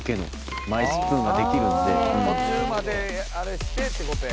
途中まであれしてってことや。